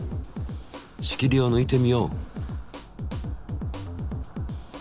仕切りをぬいてみよう。